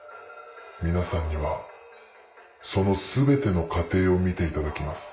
皆さんにはその全ての過程を見ていただきます。